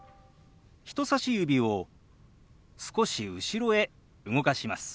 人さし指を少し後ろへ動かします。